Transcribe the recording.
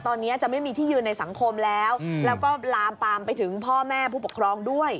ตอนนี้จะไม่มีที่ยืนในสังคมแล้วแล้วก็ลามปามไปถึงพ่อแม่ผู้ปกครองด้วย